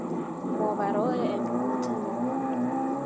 ماوراء امکانات ما